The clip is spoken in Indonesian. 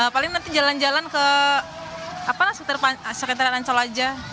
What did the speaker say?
paling nanti jalan jalan ke sekitar ancol aja